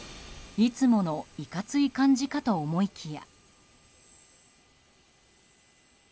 いつものいかつい感じかと思いきや。